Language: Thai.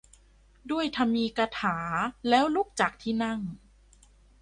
ด้วยธรรมีกถาแล้ว ลุกจากที่นั่ง